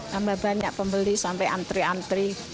tambah banyak pembeli sampai antri antri